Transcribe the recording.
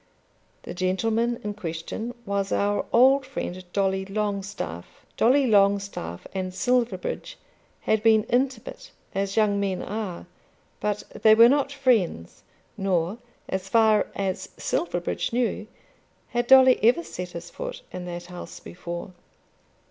The gentleman in question was our old friend Dolly Longstaff. Dolly Longstaff and Silverbridge had been intimate as young men are. But they were not friends, nor, as far as Silverbridge knew, had Dolly ever set his foot in that house before.